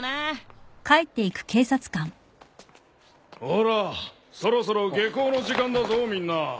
ほらそろそろ下校の時間だぞみんな。